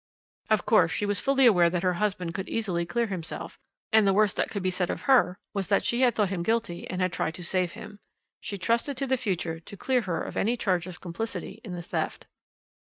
"Of course, she was fully aware that her husband could easily clear himself, and the worst that could be said of her was that she had thought him guilty and had tried to save him. She trusted to the future to clear her of any charge of complicity in the theft.